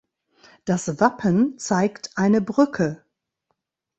Das Wappen zeigt eine Brücke.